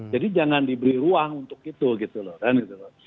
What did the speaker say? jadi jangan diberi ruang untuk itu gitu loh kan gitu loh